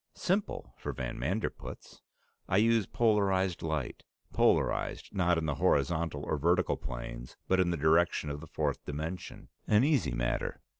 "Simple, for van Manderpootz! I use polarized light, polarized not in the horizontal or vertical planes, but in the direction of the fourth dimension an easy matter.